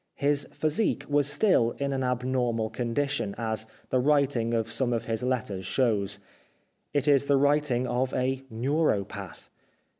His physique was still in an abnor mal condition, as the writing of some of his letters shows. It is the writing of a neuropath.